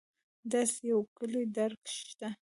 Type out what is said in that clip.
داسې یو کُلي درک شته.